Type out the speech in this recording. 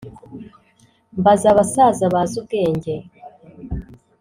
mbaza abasaza bazi ubwenge